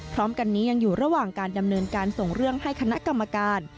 พร้อมกันนี้ยังอยู่ระหว่างการดำเนินการส่งเรื่องให้คณะกรรมการ